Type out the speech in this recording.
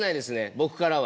僕からは。